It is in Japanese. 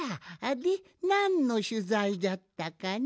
でなんのしゅざいじゃったかの？